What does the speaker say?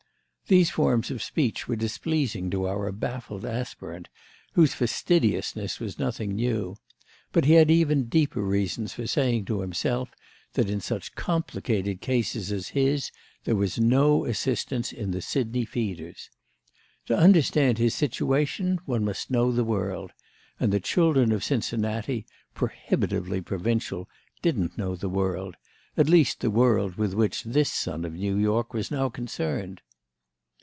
These forms of speech were displeasing to our baffled aspirant, whose fastidiousness was nothing new; but he had even deeper reasons for saying to himself that in such complicated cases as his there was no assistance in the Sidney Feeders. To understand his situation one must know the world, and the children of Cincinnati, prohibitively provincial, didn't know the world—at least the world with which this son of New York was now concerned.